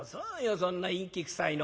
そんな陰気くさいの。